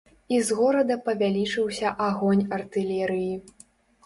І з горада павялічыўся агонь артылерыі.